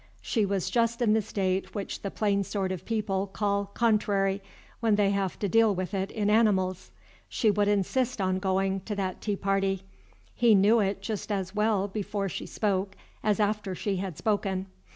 She was just in the state which the plain sort of people call "contrary," when they have to deal with it in animals. She would insist on going to that tea party; he knew it just as well before she spoke as after she had spoken.